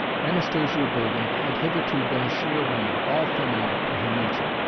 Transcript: Anastasia Bergen had hitherto been a sheer woman, all feminine in her nature.